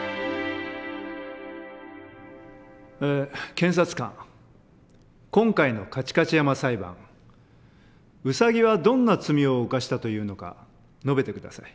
検察官今回の「カチカチ山」裁判ウサギはどんな罪を犯したというのか述べて下さい。